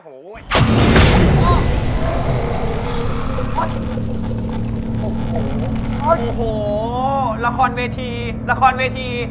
โหราคนเวทีราคนเวที